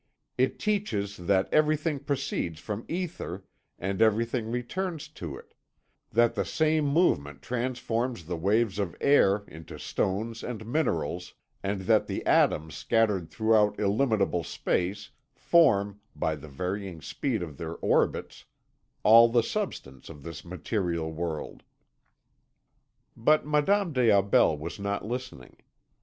It teaches that everything proceeds from ether and everything returns to it, that the same movement transforms the waves of air into stones and minerals, and that the atoms scattered throughout illimitable space, form, by the varying speed of their orbits, all the substance of this material world." But Madame des Aubels was not listening.